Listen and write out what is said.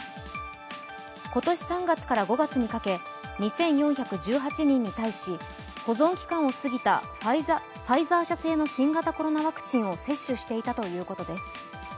今年３月から５月にかけ、２４１８人に対し保存期間を過ぎたファイザー社製の新型コロナワクチンを接種していたということです。